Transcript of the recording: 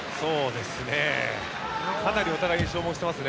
かなりお互い消耗してます。